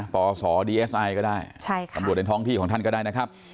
ปศดีเอสไอก็ได้ตำรวจในท้องที่ของท่านก็ได้นะครับ